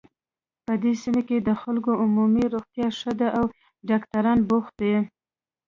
په دې سیمه کې د خلکو عمومي روغتیا ښه ده او ډاکټران بوخت دي